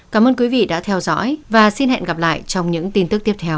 cảm ơn quý vị đã theo dõi và xin hẹn gặp lại trong những tin tức tiếp theo